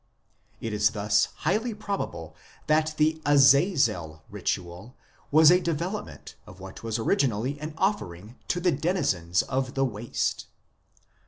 It is thus highly probable that the Azazel ritual was a development of what was originally an offering to the denizens of the waste.